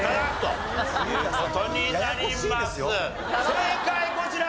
正解こちら。